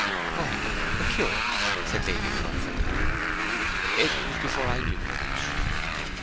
'Oh, curate,' said Lady Constantine. 'It was before I knew the village.'